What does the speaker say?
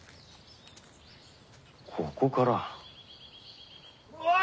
ここから。